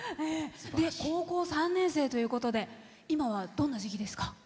高校３年生ということで今はどんな時期ですか？